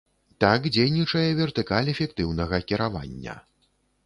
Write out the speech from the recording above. Так дзейнічае вертыкаль эфектыўнага кіравання.